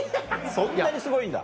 そんなにすごいんだ。